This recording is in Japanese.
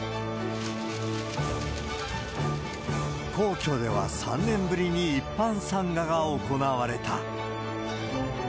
皇居では３年ぶりに一般参賀が行われた。